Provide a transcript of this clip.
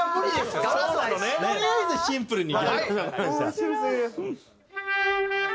もうシンプルに。